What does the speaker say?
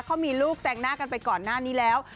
เขามีลูกแซงหน้ากันไปก่อนหน้านี้แล้ว